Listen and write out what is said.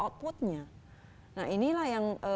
output nya nah inilah yang